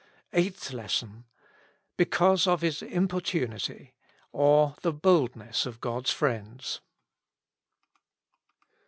62 EIGHTH LESSON. " Because of his importunity :'* or, The Boldness of God's Friends.